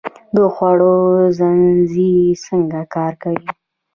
د خوړو زنځیر څنګه کار کوي؟